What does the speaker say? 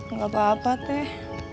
nggak apa apa teh